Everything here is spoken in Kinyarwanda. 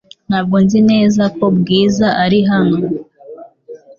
Ntabwo nzi neza ko Bwiza ari hano .